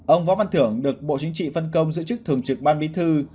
ông võ văn thưởng được bộ chính trị phân công giữ chức thường trực ban bí thư